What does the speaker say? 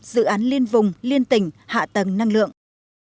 dự án liên vùng liên tỉnh hạ tầng năng lượng